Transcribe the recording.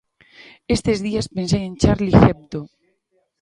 Estes días pensei en Charlie Hebdo.